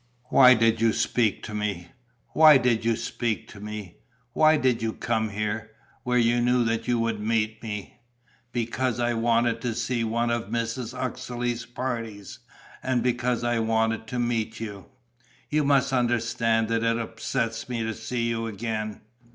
Why did you speak to me, why did you speak to me, why did you come here, where you knew that you would meet me?" "Because I wanted to see one of Mrs. Uxeley's parties and because I wanted to meet you." "You must understand that it upsets me to see you again.